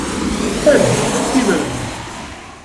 Ad d-ffɣent akk s iberdan.